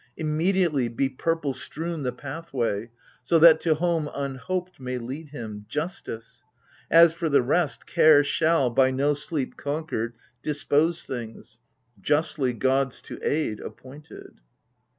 Immediately be purple strewn the pathway, So that to home unhoped may lead him — Justice ! As for the rest, care shall— by no sleep conquered — Dispose things — ^justly (gods to aid !) appointed.